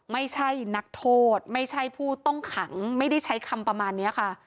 ไม่ใช่นักโทษไม่ใช่ผู้ต้องขังไม่ได้ใช้คำประมาณนี้ค่ะ